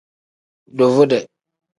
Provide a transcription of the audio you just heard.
Duvude.